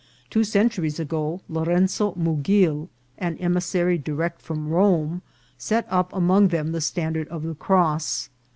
Two centuries ago, Lorenzo Mugil, an emissary direct from 'Rome, set up among them the standard of the cross.